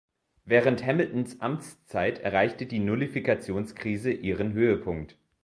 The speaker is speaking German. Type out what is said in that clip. Während Hamiltons Amtszeit erreichte die Nullifikationskrise ihren Höhepunkt.